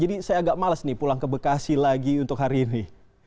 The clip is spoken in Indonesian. jadi saya agak males nih pulang ke bekasi lagi untuk hari ini